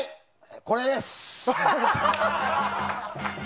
これです！